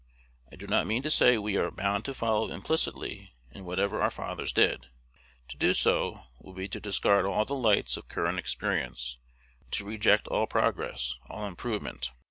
I do not mean to say we are bound to follow implicitly in whatever our fathers did. To do so would be to discard all the lights of current experience, to reject all progress, all improvement.